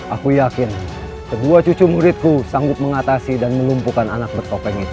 aku yakin kedua cucu muridku sanggup mengatasi dan melumpuhkan anak bertopeng itu